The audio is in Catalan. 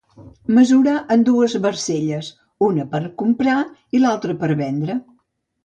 Mesurar en dues barcelles: una per a comprar, l'altra per a vendre.